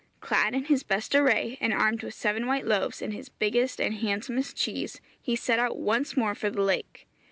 Clad in his best array, and armed with seven white loaves and his biggest and handsomest cheese, he set out once more for the lake.